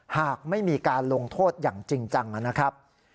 หากไม่มีการลงโทษอย่างจริงจังนะครับ